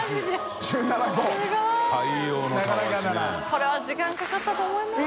これは時間かかったと思いますよ。